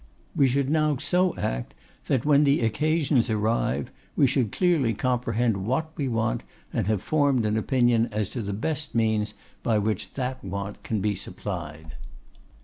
We should now so act that, when the occasions arrives, we should clearly comprehend what we want, and have formed an opinion as to the best means by which that want can be supplied.